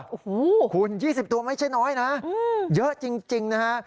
โอ้โหคุณ๒๐ตัวไม่ใช่น้อยนะเยอะจริงนะฮะ